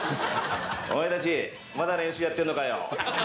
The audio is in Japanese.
お前たちまだ練習やってんのかよ。